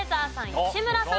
吉村さん。